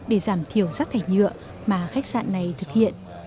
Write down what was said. để giảm thiểu rác thải nhựa mà khách sạn này thực hiện